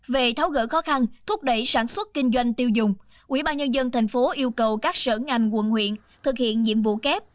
về tháo gỡ khó khăn thúc đẩy sản xuất kinh doanh tiêu dùng quỹ ban nhân dân tp hcm yêu cầu các sở ngành quận huyện thực hiện nhiệm vụ kép